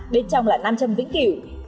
bên trong là năm châm vĩnh cửu